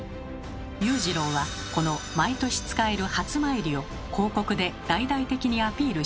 勇次郎はこの毎年使える「初詣」を広告で大々的にアピールしたのです。